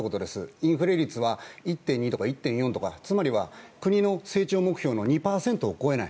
インフレ率は１．２とか１．４とかつまり国の成長目標の２％を超えない